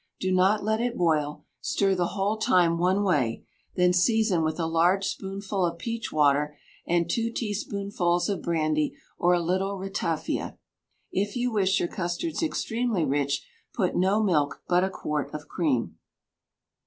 Do not let it boil; stir the whole time one way; then season with a large spoonful of peach water, and two teaspoonfuls of brandy or a little ratafia. If you wish your custards extremely rich, put no milk, but a quart of cream.